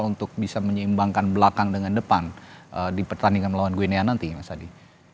untuk bisa menyeimbangkan belakang dengan depan di pertandingan melawan gwenia nanti mas adi